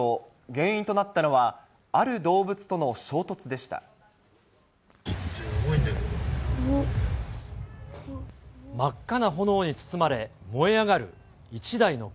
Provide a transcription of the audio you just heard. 原因となったのはある動物との衝やばいんだけど。